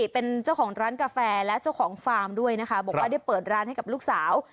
เป็นเจ้าของร้านกาแฟและเจ้าของฟาร์มด้วยนะคะบอกว่าได้เปิดร้านให้กับลูกสาว